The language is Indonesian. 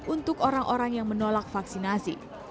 untuk orang orang yang menolak vaksinasi